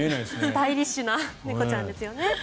スタイリッシュな猫ちゃんですね。